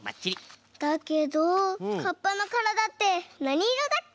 だけどかっぱのからだってなにいろだっけ？